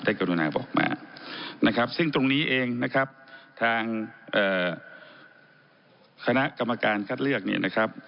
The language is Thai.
กรุณาบอกมานะครับซึ่งตรงนี้เองนะครับทางคณะกรรมการคัดเลือกเนี่ยนะครับ